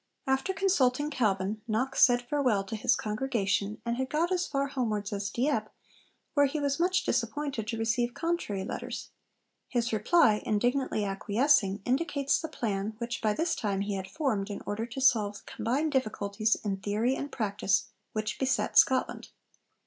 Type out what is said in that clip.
After consulting Calvin, Knox said farewell to his congregation, and had got as far homewards as Dieppe, where he was much disappointed to receive 'contrary letters.' His reply, indignantly acquiescing, indicates the plan which by this time he had formed in order to solve the combined difficulties in theory and practice which beset Scotland.